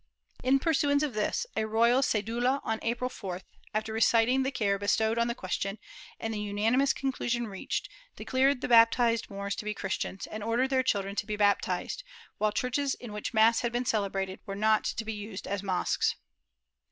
In pursuance of this a royal cedula on April 4th, after reciting the care bestowed on the question, and the unanimous conclusion reached, declared the baptized Moors to be Christians, and ordered their children to be baptized, while churches in which mass had been celebrated were not to be used as mosques.